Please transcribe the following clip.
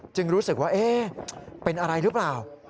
รู้สึกว่าเป็นอะไรหรือเปล่า